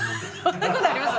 そんな事あります？